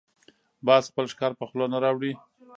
باز خپل ښکار په خوله نه راوړي